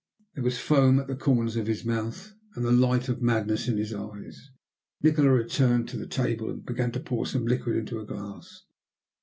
There was foam at the corners of his mouth, and the light of madness in his eyes. Nikola returned to the table and began to pour some liquid into a glass.